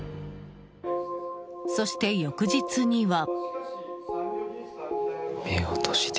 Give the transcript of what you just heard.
そして翌日には。